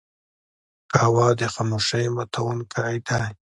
قهوه د خاموشۍ ماتونکی دی